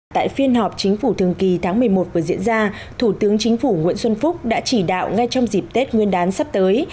tại phiên họp chính phủ thường kỳ tháng một mươi một vừa diễn ra thủ tướng chính phủ nguyễn xuân phúc đã chỉ đạo ngay trong dịp tết nguyên đán sắp tới